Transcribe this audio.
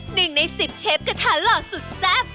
หนึ่งในสิบเชฟกระทะลอสุดทรัพย์